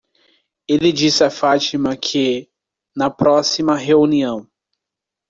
Ele disse a Fátima que? na próxima reunião.